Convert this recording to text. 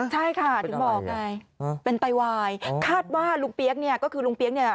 ใช่ค่ะถึงบอกไงเป็นไตวายคาดว่าลุงเปี๊ยกเนี่ยก็คือลุงเปี๊ยกเนี่ย